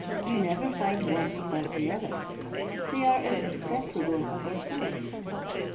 "You never find one without the other; they are as inseparable as ourselves."